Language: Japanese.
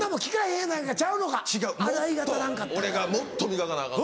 俺がもっと磨かなアカン。